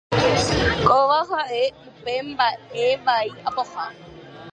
Kóva ha'e upe mba'e vai apoha.